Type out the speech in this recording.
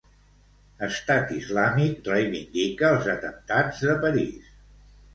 Estat Islàmic reivindica els atemptats de París.